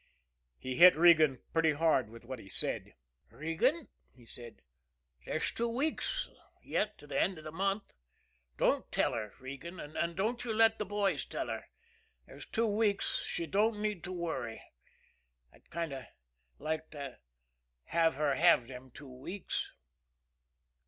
He hit Regan pretty hard with what he said. "Regan," he said, "there's two weeks yet to the end of the month. Don't tell her, Regan, and don't you let the boys tell her there's two weeks she don't need to worry. I'd kind of like to have her have them two weeks."